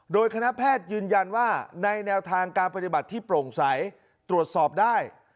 โดยคณะแพทย์ยืนยันว่าในแนวทางการปฏิบัติที่โปร่งใสตรวจสอบได้